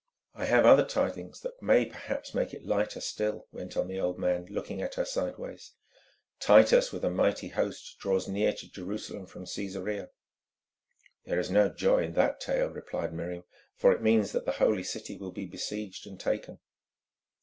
"I have other tidings that may perhaps make it lighter still," went on the old man, looking at her sideways. "Titus with a mighty host draws near to Jerusalem from Cæsarea." "There is no joy in that tale," replied Miriam, "for it means that the Holy City will be besieged and taken."